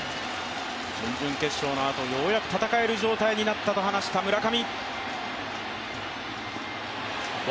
準々決勝のあと、ようやく戦える状態になったと話した村上。